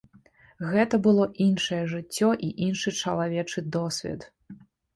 Гэта было іншае жыццё і іншы чалавечы досвед.